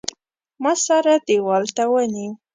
ما سره دېوال ته ونیو.